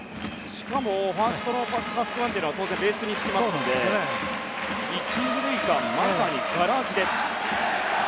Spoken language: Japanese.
しかもファーストは当然、ベースにつきますので１、２塁間まさにがら空きです。